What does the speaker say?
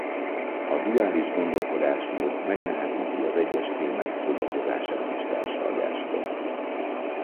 A duális gondolkodásmód megnehezíti az egyes témák szóba hozását is társalgáskor.